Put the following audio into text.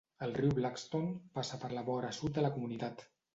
El riu Blackstone passa per la vora sud de la comunitat.